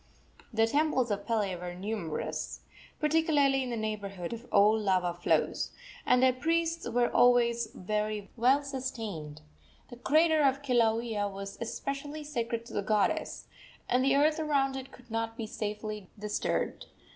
The temples of Pele were numerous, particularly in the neighborhood of old lava flows, and their priests were always well sustained. The crater of Kilauea was especially sacred to the goddess, and the earth around it could not be safely disturbed.